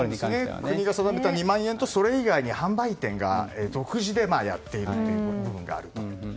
国が定めた２万円とそれ以外に販売店が独自でやっている部分があると。